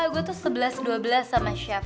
gue tuh sebelas dua belas sama chef